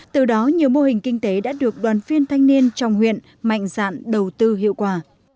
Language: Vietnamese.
từ đó nhiều mô hình kinh tế đã được đoàn phiên thanh niên trong huyện mạnh dạn đầu tư hiệu quả